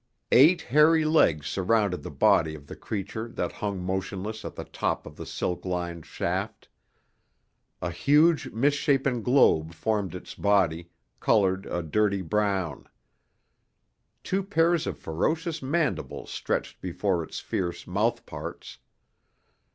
Eight hairy legs surrounded the body of the creature that hung motionless at the top of the silk lined shaft. A huge misshapen globe formed its body, colored a dirty brown. Two pairs of ferocious mandibles stretched before its fierce mouth parts.